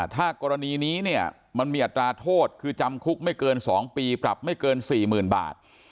ถ้ากรณีนี้เนี่ยมันมีอัตราโทษคือจำคุกไม่เกิน๒ปีปรับไม่เกิน๔๐๐๐บาท